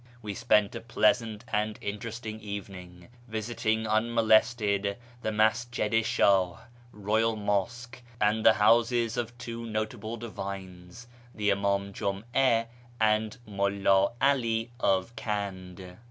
We spent a pleasant and interesting evening, visiting unmolested the Masjid i Shdh (Royal IMosque) and the houses of two notable divines, the Im; im Jum'a and Mulla 'Ali of Kand.